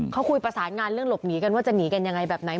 เขาคุยประสานงานเรื่องหลบหนีกันว่าจะหนีกันยังไงแบบไหน